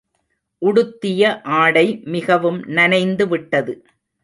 உடுத்திய ஆடை மிகவும் நனைந்துவிட்டது.